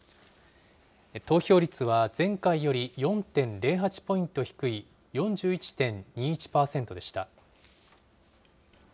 投票率は前回より４．０８ポイント低い４１．２１％でした。